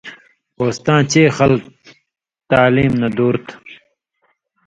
کوستاں چے خلک تعلیم نہ دُور تھو